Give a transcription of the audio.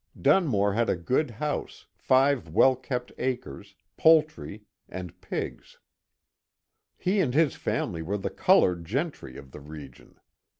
Dunmore had a good house, five well kept acres, poultry, and pigs ; he and his family were the coloured gentry of the re gion.